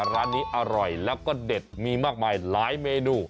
ร้านนี้อร่อยแล้วก็เด็ดมีมากมายหลายเมนู